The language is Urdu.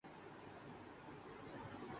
پیراگوئے